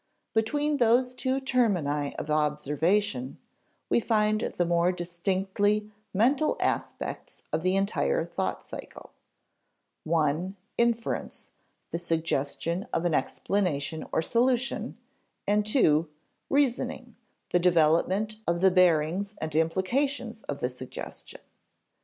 Between those two termini of observation, we find the more distinctively mental aspects of the entire thought cycle: (i) inference, the suggestion of an explanation or solution; and (ii) reasoning, the development of the bearings and implications of the suggestion.